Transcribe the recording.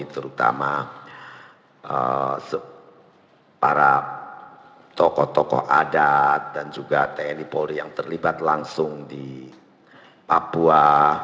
terutama para tokoh tokoh adat dan juga tni polri yang terlibat langsung di papua